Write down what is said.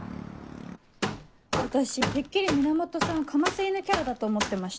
私てっきり源さんかませ犬キャラだと思ってました。